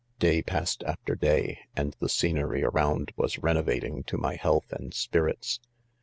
.* Bay passed after day* and the scenery a round was .renovating to my health and , spir its.